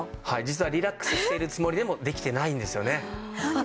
はい実はリラックスしてるつもりでもできてないんですよね。